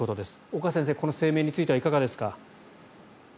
岡先生、この声明についてはいかがですか？